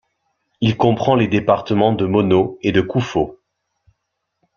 Il comprend les départements de Mono et de Couffo.